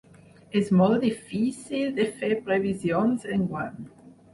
És molt difícil de fer previsions enguany.